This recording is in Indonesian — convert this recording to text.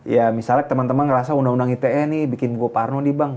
ya misalnya temen temen ngerasa undang undang ite nih bikin gue parno nih bang